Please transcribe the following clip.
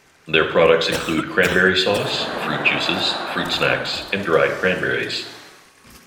Their products include cranberry sauce, fruit juices, fruit snacks, and dried cranberries.